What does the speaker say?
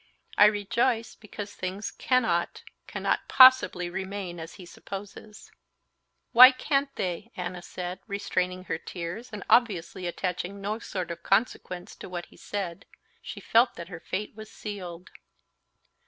"I rejoice, because things cannot, cannot possibly remain as he supposes." "Why can't they?" Anna said, restraining her tears, and obviously attaching no sort of consequence to what he said. She felt that her fate was sealed.